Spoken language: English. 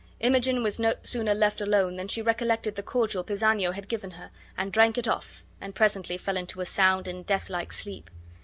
Imogen was no sooner left alone than she recollected the cordial Pisanio had given her, and drank it off, and presently fell into a sound and deathlike sleep.